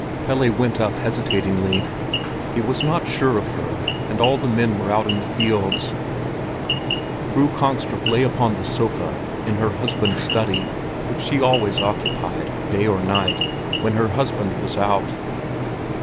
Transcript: Pelle went up hesitatingly. He was not sure of her and all the men were out in the fields. Fru Kongstrup lay upon the sofa in her husband's study, which she always occupied, day or night, when her husband was out.